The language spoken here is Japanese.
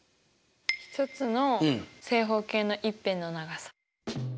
１つの正方形の１辺の長さ。